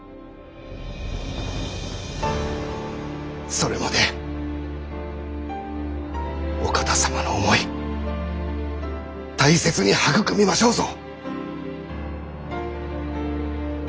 それまでお方様の思い大切に育みましょうぞ。